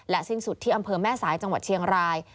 สิ้นสุดที่อำเภอแม่สายจังหวัดเชียงราย